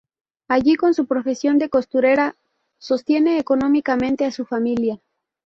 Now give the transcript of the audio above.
Allí con su profesión de costurera sostiene económicamente a su familia.